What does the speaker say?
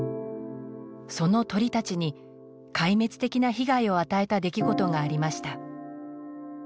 その鳥たちに壊滅的な被害を与えた出来事がありました。